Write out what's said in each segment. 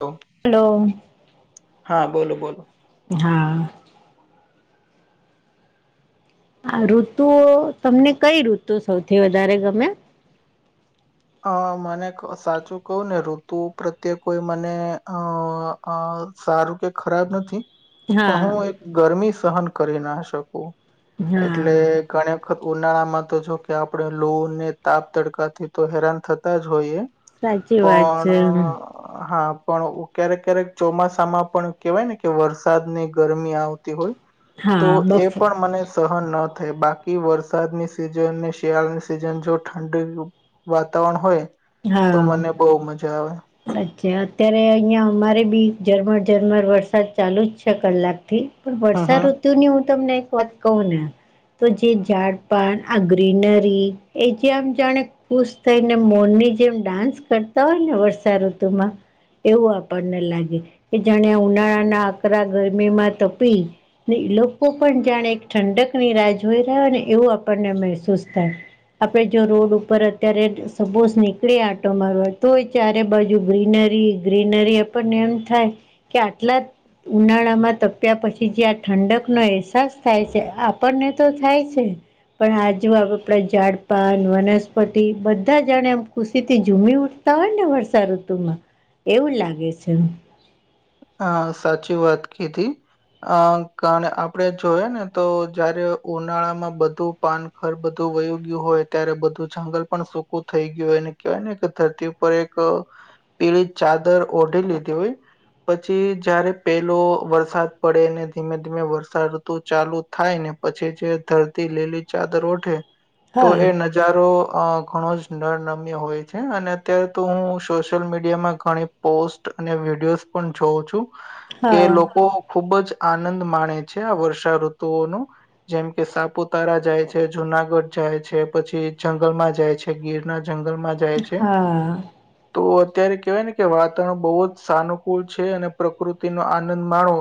તો હલો. હા બોલો બોલો હા. આ ઋતુઓ, તમને કઈ ઋતુ સૌથી વધારે ગમે? અ મને ક સાચું કઉ ને, ઋતુ પ્રત્યે કોઈ મને અ અ સારુ કે ખરાબ નથી. પ હું હા એક ગરમી સહન કરી ના શકું એટલે હા ઘણ વખત ઉનાળામાં તો જો કે આપડણેે લોં ને તાપ-તડકાથી તો હેરાન થતા જ હોઈએ. સાચી વાત પણ છે હા પણ ઉ ક્યારેક ક્યારેક ચોમાસામાં પણ કેવાય ને, કે વરસાદ ની ગરમી આવતી હોય. તો હા એ બફ પણ મને સ. સહન ન થય. બાકી વરસાદની સિઝન, શિયાળાની સિઝન જો ઠંડી વાતાવરણ હોય, તો હા મને બઉ મજા આવે. અચ્છા. અત્યારે અહિયાં અમારે બી ઝરમર ઝરમર વરસાદ ચાલુ જ છે, કલાક થી. પણ હમ વર્ષા હમ ઋતુ ની હું તમને એક વાત કઉ ને. તો જે ઝાડપાન આ ગ્રીનરી એ જે આમ જાણે પુશ થઈને મોનની જેમ ડાન્સ કરતા ઓય ને વર્ષાઋતુ માં. એવું આપણને લાગે કે જાણે, ઉનાળાના આકરા ગરમીમાં તપી. ને ઈ લોકો પણ જાણે એક ઠંડક ની રાહ જોઈ રહ્યા ઓય ને, એવું આપણને મહેસૂસ થાય. આપડે જો રોડ ઉપર અત્યારે સબોઝ ની કળે આટો મારવા તોય, ચારે બાજુ ગ્રીનરી ગ્રીનરી આપને એમ થાય. કે આટલા જ. ઉનાળા માં તપ્યા પછી જે આ ઠંડકનો અહેસાસ થાય સે, આપને તો થાય જ સે. પણ આજુ આ આપડ ઝાડપાન, વનસ્પતિ બધા જણે ખુશી થી ઝૂમી ઉઠતા હોય ને વર્ષા ઋતુમાં એવું લાગે છે. હા સાચી વાત કીધી. અ કાને આપડે જોઈએ ને તો જયારે ઉનાળામાં બધું પાનખર બધું વયુ ગ્યું હોય ત્યારે બધું જંગલ પણ સૂકું થઈ ગ્યું હોયને કહેવાય ને કે ધરતી પર એક પીળી ચાદર ઓઢી લીધી હોય. પછી જયારે પેલો વરસાદ પડે ને ધીમે ધીમે વર્ષાઋતુ ચાલુ થાય ને પછી જે ધરતી લીલી ચાદર ઓઠે તો હા એ નજ જારો અ ઘણો જ નરનમ્ય હોય છે અને અત્યારે તો હું સોશિયલ મીડિયામાં ઘણી પોસ્ટ અને વિડીયોઝ પણ જોઉં છું કે હા લોકો ખુબ જ આનંદ માણે છે આ વર્ષાઋતુઓનો. જેમ કે સાપુતારા જાય છે, જુનાગઢ જાય છે, પછી જંગલમાં જાય છે. કે ગીરના જંગલમાં જાય છે હા તો અત્યારે કેવાય ને કે વાતાવરણ બહુ જ સાનુ કુલ છે અને પ્રકૃતિ નો આનંદ માણો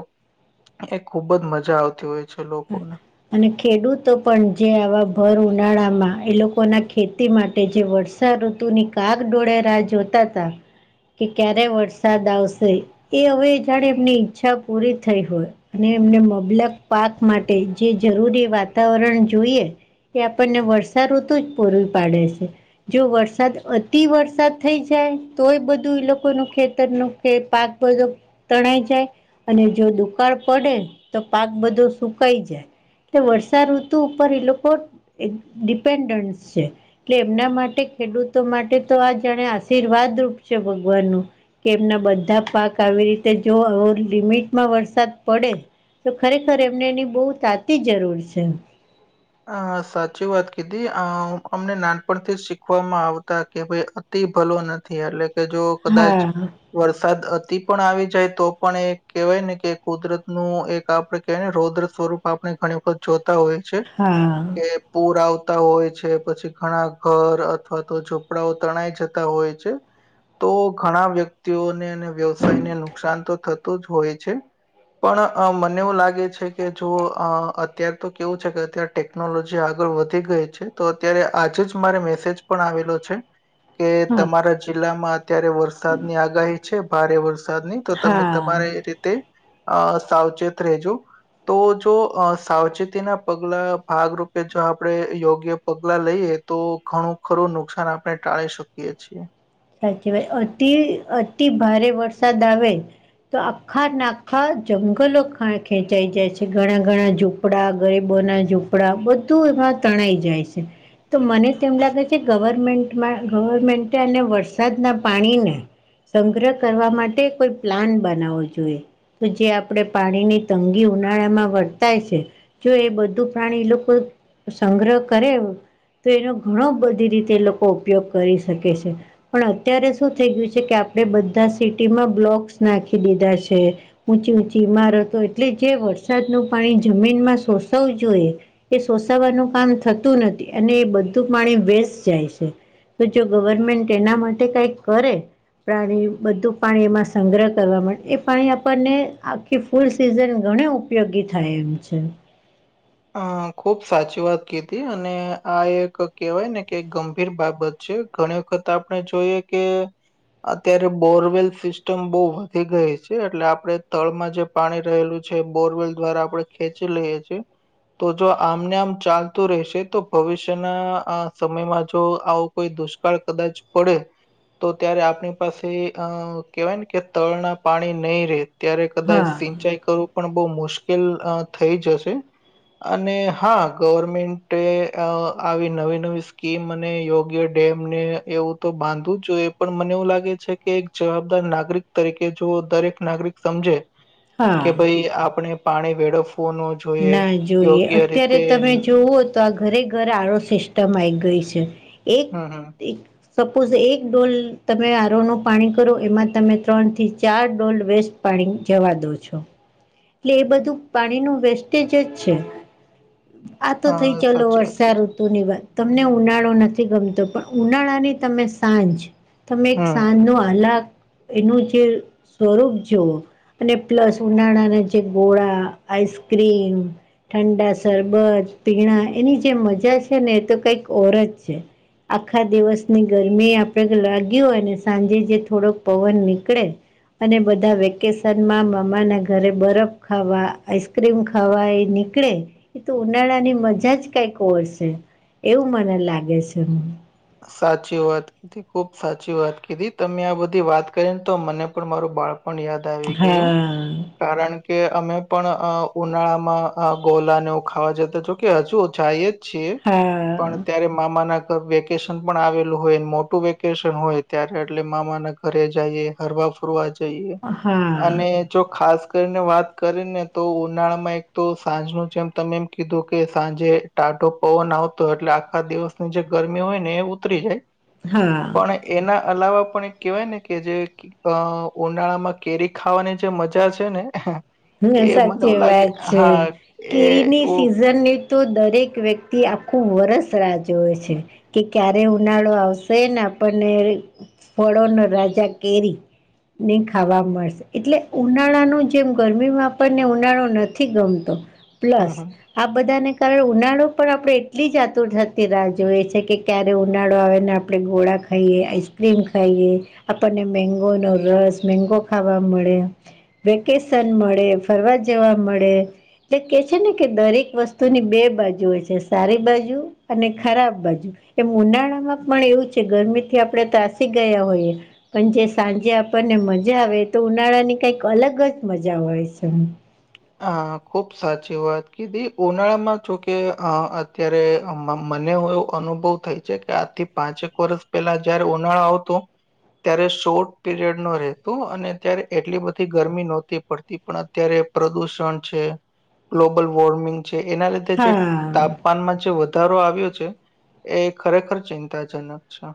એ ખુબ જ મજા આવતી હોય છે લોકોને. અને ખેડૂતો પણ જે આવા ભર ઉનાળામાં એ લોકો ના ખેતી માટે જે વર્ષ ર્ષા ઋતુની કાગ ડોળે રાહ જોતાતા કે ક્યારે વરસાદ આવશે. એ હવે જાળે એમની ઈચ્છા પૂરી થઈ હોય અને એમને મબલક પાક માટે જે જરૂરી વાતાવરણ જોઈએ તે આપણને વર્ષાઋતુ જ પૂરું પાડે છે. જો વરસાદ અતિ વરસાદ થઈ જાય તોય બધું એ લોકોનું ખેતરનું કે પાક બધો તણાઈ જાય અને જો દુકાળ પડે તો પાક બધો સુકાઈ જાય એટલે વર્ષા ઋતુ ઉપર એ લોકો એ ડિપેન્ડન્ટ છે. એટલે એમના માટે ખેડૂતો માટે તોઆ જાણે આશીર્વાદરૂપ છે, ભગવાનનું. કે એમના બધા પાક આવી રીતે જોઓ લિમિટમાં વરસાદ પડે તો ખરેખર એમને એની બહુ તાતી જ જરૂર છે. અ સાચી વાત કીધી અ અમને નાનપણથી જ શીખવામાં આવતા કે ભય તિ ભલો નથી એટલે કેજો કદાચ હા વરસાદ અતિપણ આવી જાય તો પણ એ કહેવાય નેકે કુદરત નું એક આપડે કેને રૌદ્ર સ્વરૂપ આપણે ઘણી વખત જોતા હોય છે. હા. કે પૂર આવતા હોય છે, પછી ઘણા ઘર અથવા તો ઝોપડાઓ તણાય જત તા હોય છે, તો ઘણા વ્યક્તિઓને અને વ્યવસાયને નુકસાન તો થત- તુ જ હોય છે. પણ અ મને એવું લાગે છે, કેજો અ અત્યાર તો કેવું છે, કે કે ટેકનોલોજી આગળ વધી ગઈ છે, તો અત્યારે આજે જ મારે મેસેજ પણ આવેલો છે. કે હા તમારા જિલ્લામાં અત્યારે વરસાદની આગાહી છે, ભારે વર સાદની તો તમે હા તમારે રીતે અ સાવચેત રેજો તોજો સાવચેતીના પગ ગલાં ભાગરૂપે જો આપણે યોગ્ય પગલાં લઈએ, તો ઘણું ખરું નુકસાન આપણે ટાળી શક કીએ છીએ. સાચવાય અતિ અતિભારે વરસાદ આવે તો આખા નાખા જંગલો ખ ખેંચાઈ જાય છે, ઘણા ઘણા જો પડા, ગરીબો ના ઝૂપડા બધું એમાં તણાઈ જાય છે. તો મને તેમ લાગે છે, ગવર્મેન્ટમાં ગવર્મેન્ટ અને વરસાદના પાણીને સંગ્રહ કરવા માટે કોઈ પ્લાન બનાવવો જોઈએ. તોજે આપણે પાણીની તંગી ઉનાળામાં વર્તાય છે જોએ બધું પ્રાણી એ લોકો સંગ્રહ કરે તો એનો ઘણો બધી રીતે એ લોકો ઉપયોગ કરી શકે છે. પણ અત્યારે શું થઈ ગયું છે, કે આપણે બધા સિટીમાં બ્લોક્સ નાખી દીધા છે. ઊંચી ઊંચી ઇમારતો એટલે જે વરસાદનું પાણી જમીનમાં શોષવું જોઈએ, એ સોસવાનું કામ થતું નથી અને એ બધું પાણી વેસ જાય છે, તોજો ગવર્મેન્ટ એના માટે કઈ કરે, પાણી બધું પાણી એમાં સંગ્રહ કરવા એ પાણી આપણને, એ ફૂડ સિઝન ઘણા ઉપયોગી થાય એમ છે, અ ખુબ સાચી વાત કીધી અને આ એક કહેવાય ને કે ગંભીર બાબત છે, ઘણી વખત આપણે જોઈએ કે, અત્યારે બોરવેલ સિસ્ટમ બહુ વધી ગઈ છે, એટલે આપણે તળમાં જે પાણી રહેલું છે, બોરવેલ દ્વારા આપડે ખેંચી લઈએ છીએ. તો જો આમને આમ ચાલતું રહેશે તો ભવિષ્યના સમયમાં જો આવું, કોઈ દુષ્કાળ કદાચ પડે, તો ત્યારે આપણી પાસે અ કેહેવાય નેકે તળના પાણી નહી રહે. ત્યારે કદાચ હા સિંચાઈ કરવું પણ બહુ મુશ્કેલ થઈ જશે, અને હા ગવર્મેન્ટે આવી નવી નવી સ્કીમ અને યોગ્ય ડેમને એવું તો બાંધવું જોઈએ પણ મને એવું લાગે છે, કે એક જવાબદાર નાગરિક તરીકે જો દરેક નાગરિક સમજે કે હા, ભાઈ આપણે પાણી વેળફવો ન જોઈએ, ના જોઈએ યોગ્ય અત્યારે રીતે તમે જોવો- - તો આ ઘરે ઘર આ સિસ્ટમ આવી ગઈ છે હમ હમ એક- - સપોઝ એક ડોલ તમે આરોનું પાણી કરો એમાં તમે ત્રણથી ચાર ડોલ વેસ્ટ- - પાણી જવા દોં છો. એટલે એ બધું પાણી નું વેસ્ટેજ જ છે. આ તો થઈ હા ચાલ સાચી વાત કીધી વર્ષાઋતુની વાત- - તમને ઉનાળો નથી ગમતો પણ ઉનાળાની તમે સાંજ- - તમે એક હમ સાંજ નો અલગ - - એનું જે સ્વરૂપ જોવો અને પ્લસ ઉનાળાના- - ગોડા આઈસ્ક્રીમ- - ઠંડા સરરબત પીણા એની જે મજા છે ને એ તો કઈક ઓર જ છે. આખા દિવસની ગરમી આપણે લાગી હોય ને સાંજે જે થોડોક પવન નીકળે- - અને બધા વેકેશનમાં મામા ના ઘરે બરફ- - ખાવા આઈસ્ક્રીમ ખાવા એ નીકળે- - એ તો ઉનાળાની મજા જ કઈક વર્શે એવું મને લાગે છે. સાચી વાત- - ખુબ સાચી વાત કીધી તમે આ બધી વાત કરીને તો મને પણ મારું બાળ પણ યાદ- - યાદ આવી ગયું. હા કારણ કે અમે પણ ઉનાળામાં ગોલાને ખાવા જતા છ કે હજુ જાય જ- - છે હા પણ ત્યારે મામા ના ઘરે વે વેકેશન પણ આવેલું હોય મોટું વેકેશન હોય ત્યારે એટલે મામા ના ઘરે જઈએ- - હરવા ફરવા જઈએ હા અને- - જો ખાસ કરીને વાત કરી ને તો ઉનાળામાં એક તો સાંજ નુ જેમ તમે એમ કીધું કે સાંજે- - ટાઢો પવન આવતો એટલે આખા દિવસની જે ગરમી હોય ને એ ઉતરી જાય. હા. પણ એના અલાવા પણ એક કેહેવાય ને કે જે- - અ ઉનાળા માં કેરી ખાવાની જે મજા છે ને- - હમ્મ સાચી વાત છે એ કેરીની એવું સિઝન ની- - તો દરેક વ્યક્તિ આખું વરસ રાહ જોવે છે કે- - ક્યારે ઉનાળો આવશે ને આપણને ફળો ન રાજા કેરી- - ની ખાવા મળશે એટલે ઉનાળાનું જે- - ગરમીમાં પણને ઉનાળો નથી ગમતો હમ પ્લસ- હમ - આ બધાને કારણે ઉનાળો પણ આપણે એટલી જ આતુર થતી રાહ જોઈએ છે કે ક્યારે ઉનાળો આવે ને- - આપણે ગોળા ખાઈએ આઈસ્ક્રીમ ખાઈએ- - આપણને મેંગો નો રસ મેંગો ખાવા મળે વકે- - મળે ફરવા જવા મળે. એટલે કે છે ને કે દરેક વસ્તુની બે બાજુ હોય છે સારી બાજુ અને ખરાબ બાજુ- - એ ઉનાળામાં પણ એવું છે ગરમી થી આપડણે તાસી ગયા હોઈએ- - પણ જે સાંજે આપણને મજા આવે તો ઉનાળા ની કઈક અલગ જ મજા હોય છે. અ ખુબ સાચી વાત કીધી ઉનાળામાં જોકે અત્યારે મનેય- - અનુભવ થાય છે કે આજથી પાંચેક વર્ષ પેલા જયારે ઉનાળો આવતો- - ત્યારે શોર્ટ પીરિયડ ન રહેતું અને અ્યારે એટલી બધી ગરમી નહોતી પડતી પણ અત્યારે- - પ્રદૂષણ છે ગ્લોબલ વોર્મિંગ છે એના લીધે જે હા તાપ- - તાનમાં જે વધારો આવ્યો છે એ ખરેખર ચિંતાજનક છે.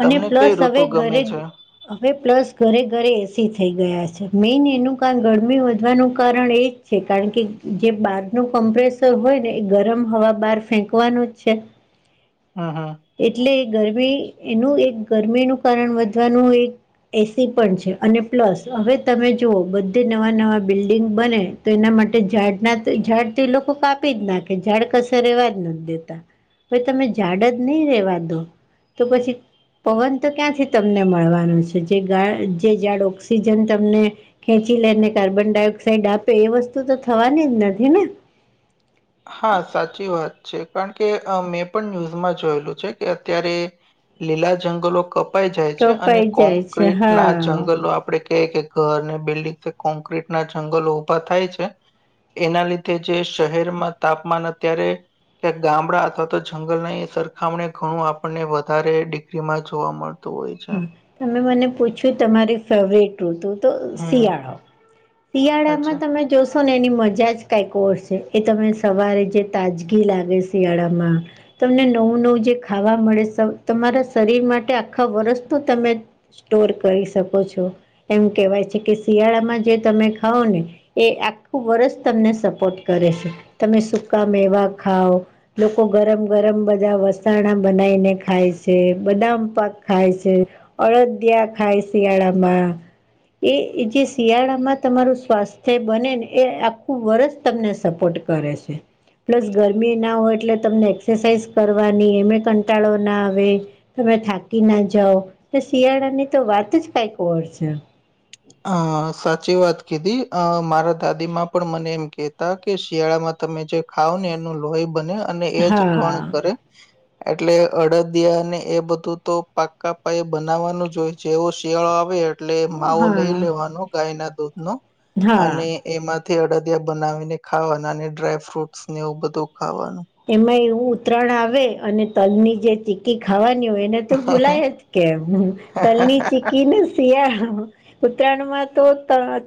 અને તમને કઈ પ્લસ હવે ઋતુ ગમે છે ઘરે- - હવે પ્લસ ઘરે ઘરે એસી થઈ ગયા છે મેઈન એનું કારામ ગરમી વધવાનું કારણ એ- - છે કારણ કે જે બહાર ન કમ્પ્રેસર હોય ને એ ગરમ હવા બહાર ફેંકવાનું જ છે. [inaudible] [inaudible] હમ હમ. એટલે ગરમી એનું એક ગરમીનુંું કારણ વધવાનું એક- - એસી પણ છે અને પ્લસ હવે તમે જુઓ બધે નવા નવા બિલ્ડિંગ બને તો એના માટે ઝાડના ઝાડ તો એ લોકો કાપી જ નાખે ઝાડ કસે રેવાજ નથી દેતા ભાઈ તમે ઝાડજ નહીં રેવા દો. તો પછી. પવન તો ક્યાંથી તમને મળવાનું છે જે ગા જે ઝાડ ઓક્સિજન તમને ખેંચી લે ને કાર્બન ડાયોક્સાઇડ આપે એ વસ્તુ તો થવાની જ નથી ને હા સાચી વાત છે કારણ કે મેં પણ ન્યૂઝમાં જોયેલું છે કે અત્યારે લીલા જંગલો કપાઈ જાય છે અને કપાઈ જાય છે કોંક્રિટ ના હા જંગલો આપડે કેય કે ઘર ને બિલ્ડિંગ કોન્ક્રીટના જંગલો ઉભા થાય છે. એના લીધે જે શહેરમાં તાપમાન અત્યારે કે ગામડા અથવા તો જંગલ ના એ સરખામણી ઘણું આપણને વધારે ડિગ્રી માં જોવા મળે તમે મને પૂછ્યું તમારી ફેવરેટ ઋતુ તો હમ્મ, શિયાળો અચ્છા. શિયાળામાં તમે જો તો ને એની મજા જ કઈક ઓર છે એ તમે સવારે જે તાજગી લાગે શિયાળામાં તમને નવું નવું જે ખાવા મળે તમારા શરીર માટે આખા વર્ષ તો તમે સ્ટોર કરી શકો છો એમ કેહેવાય છે કે શિયાળામાં જે તમે ખાવો ને એ આખું વર્ષ તમને સપોર્ટ કરે છે તમે સુકા મેવા ખાવો. લોકો ગરમ ગરમ બધા વસાણા બનાઈને ખાય છે બદામ પાક ખાય છે અળદિયા ખાય શિયાળામાં એ જે શિયાળામાં તમારું સ્વાસ્થ્ય બને ને એ આખું વર્ષ તમને સપોર્ટ કરે છે. પ્લસ ગરમી ના હોય એટલે તમને એક્સરસાાઈઝ કરવાની એમે કંટાળો ના આવે તમે થાકી ના જાવ તે શિયાળા ની તો વાત જ કઈક ઓર છે. અ સાચી વાત કીધી અ મારા દાદી માં પણ મને એમ કે કેતા શિયાળામાં તમે જે ખાવ ને એનું લોહી બને અને એજ ઘણ હા કરે એટલે અડદિયા અને એ બધું તો પાક્કા પાયે બનાવવાનુંજ હોય જેવો શિયાળો આવે એટલે માવો હા લઈ લેવાનો ગાય ના દૂધ નો હા અને એમાંથી અડદિયા બનાવીને ખાવાના અને ડ્રાય ફ્રૂટસ ને એવું બધું ખાવાનું એમાં એવું ઉતરાણ આવે અને તલ ની જે ચીકી ખાવાની હોય એને તો ભૂલાય જ કેમ તલની ચીકી ને શિયાળામાં ઉત્તરાયણમાં તો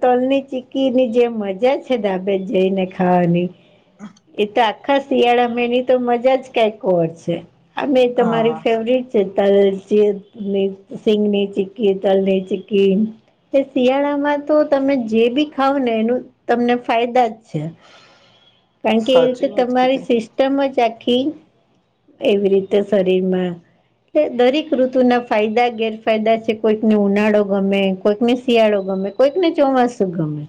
તલની ચીકીની જે મજા છે ધાબે જઈને ખાવાની હા એ તો આખા શિયાળા માં એનીતો મજાજ કઈ ઓર છે અમે તો મારી હા ફેવરિટ તલ ચિ ની સિંગ ની ચીકી તલ ની ચીકી. તે શિયાળામાં તો તમે જે બી ખાવ ને એનું તમને ફાયદાજ છે. કાકે એ રીતે સાચી વાત તમારી કીધી સિસ્ટમ જ આખી એવી રીતે શરીરમાં દરેક ઋતુ ના ફાયદા ગેરફાયદા છે કોઈકને ઉનાળો ગમે કોઈકને શિયાળો ગમે. કોઈક ને ચોમાસું ગમે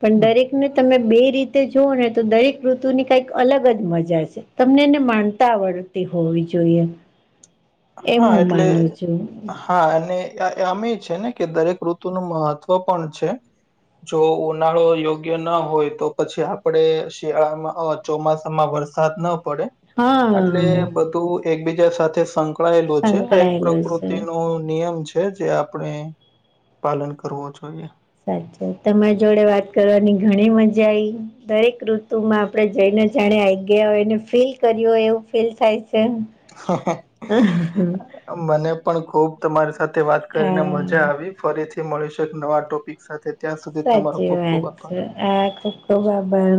પણ દરેક ને તમે બે રીતે જોઓ ને તો દરેક ઋતુની કઈક અલગ જ મજા છે તમને એને માણતા આવડ તે હોવી જોઈએ એમ હા હું એટલે માનું છું. હા અને અ અમી એ છે ને કે દરેક ઋતુનુ મહત્વ પણ છે. જો ઉનાળો યોગ્ય ન હોય તો પછી આપડે શિયાળામાં અ. ચોમાસામાં વરસાદ ન પડે હા એટલે બધું એકબીજા સાથે સં સંકળાયેલુ છે આ એક સંકળાયેલો છે પ્રકૃતિ નો નિયમ છે. એ છે જે આપણે પાલન કરવું જોઈએ. સાચે તમારી જોડે વાત કરવાની ઘણી મજા આવી દરેક ઋતુમાં આપણે જઈને જાણે આઈ ગયા હોય એને ફીલ કર્યુ હોય એવું ફીલ થાય છે. મને પણ ખુબ તમારી સાથે વાત કરીને હા મજા આવી. ફરીથી મળીશું એક નવા ટોપિક સાથે. ત્યાં સુધી તમારો સાચી ખુબ ખુબ વાત આભાર. છે આ ખ બાબર